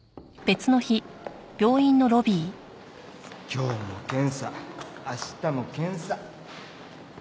今日も検査明日も検査。